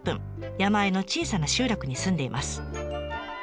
山あいの小さな集落に住んでいます。